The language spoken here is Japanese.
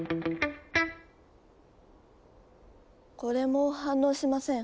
これも反応しません。